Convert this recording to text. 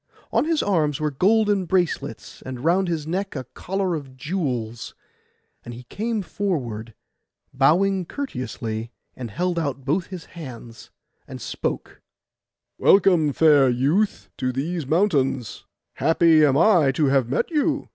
On his arms were golden bracelets, and round his neck a collar of jewels; and he came forward, bowing courteously, and held out both his hands, and spoke— 'Welcome, fair youth, to these mountains; happy am I to have met you!